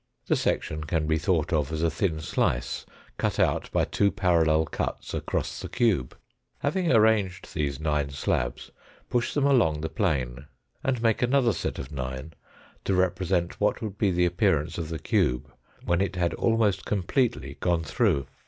The section can be thought of as a thin slice cut out by two parallel cuts across the cube. Having arranged these nine slabs, push them along the plane, and make another set of nine to represent what APPENDIX I 235 would be the appearance of the cube when it had almost completely gone through.